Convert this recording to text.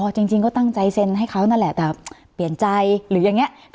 จริงก็ตั้งใจเซ็นให้เขานั่นแหละแต่เปลี่ยนใจหรืออย่างนี้